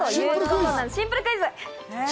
シンプルクイズ。